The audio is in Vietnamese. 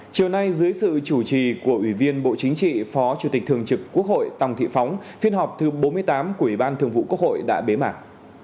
chiều nay dưới sự chủ trì của ủy viên bộ chính trị phó chủ tịch thường trực quốc hội tòng thị phóng phiên họp thứ bốn mươi tám của ủy ban thường vụ quốc hội đã bế mạc